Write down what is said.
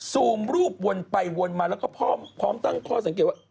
ซูมรูปวนไปวนมาแล้วก็พร้อมตั้งข้อสังเกตว่า